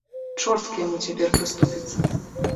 Чорт к яму цяпер прыступіцца.